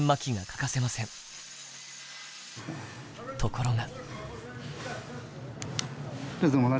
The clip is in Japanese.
ところが。